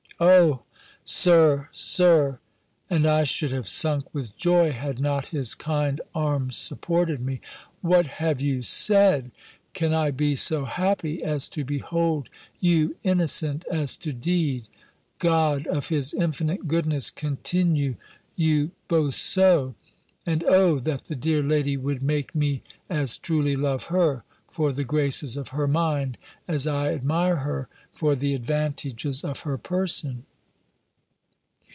"O Sir, Sir," (and I should have sunk with joy, had not his kind arms supported me,) "what have you said? Can I be so happy as to behold you innocent as to deed! God, of his infinite goodness, continue you both so! And, Oh! that the dear lady would make me as truly love her, for the graces of her mind, as I admire her for the advantages of her person!"